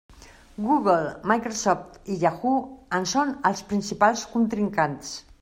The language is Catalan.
Google, Microsoft i Yahoo en són els principals contrincants.